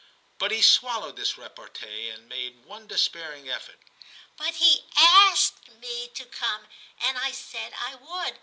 But he swallowed this repartee and made one despairing effort. * But he asked me to come, and I said I would.